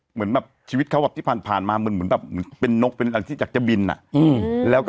หลับงานแล้ว